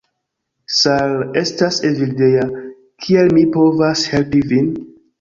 "Sal', estas Evildea, kiel mi povas helpi vin?"